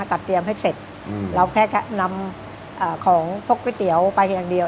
เตรียมให้เสร็จเราแค่นำของพวกก๋วยเตี๋ยวไปอย่างเดียว